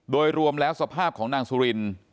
โดยรวมแล้วสภาพของนางสุริน